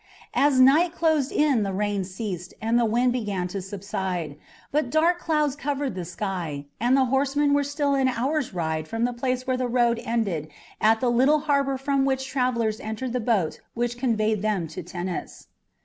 As night closed in the rain ceased and the wind began to subside, but dark clouds covered the sky, and the horsemen were still an hour's ride from the place where the road ended at the little harbour from which travellers entered the boat which conveyed them to Tennis.